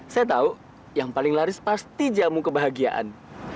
saya tahu yang paling laris pasti jamu kebahagiaan